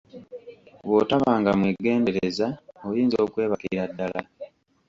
Bw'otabanga mwegendereza oyinza okwebakira ddala.